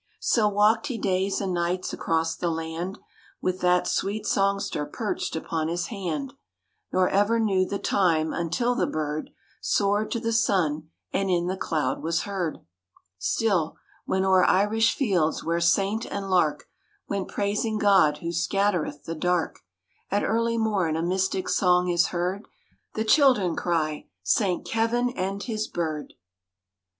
So walked he days and nights across the land With that sweet songster perched upon his hand Nor ever knew the time until the bird Soared to the sun and in the cloud was heard. Still, when o'er Irish fields where saint and lark Went praising God who scattereth the dark, At early morn a mystic song is heard, The children cry, " Saint Kevin and his bird !